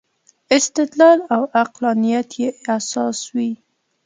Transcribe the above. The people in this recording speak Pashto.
استدلال او عقلانیت یې اساس وي.